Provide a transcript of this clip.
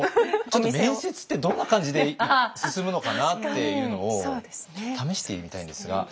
ちょっと面接ってどんな感じで進むのかなっていうのを試してみたいんですが。